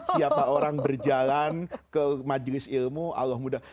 siapa orang berjalan ke majelis ilmu allah mudah